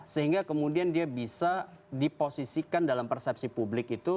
sehingga kemudian dia bisa diposisikan dalam persepsi publik itu